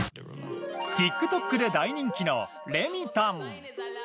ＴｉｋＴｏｋで大人気のレミたん。